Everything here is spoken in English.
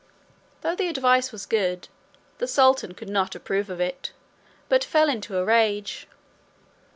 Though the advice was good, the sultan could not approve of it, but fell into a rage.